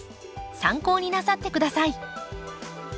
参考になさってください。